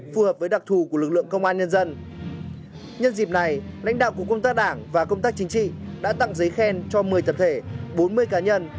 phù hợp với đặc thù của lực lượng công an nhân dân nhân dịp này lãnh đạo của công tác đảng và công tác chính trị đã tặng giấy khen cho một mươi tập thể bốn mươi cá nhân